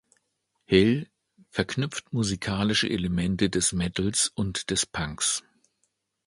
Hel verknüpft musikalische Elemente des Metals und des Punks.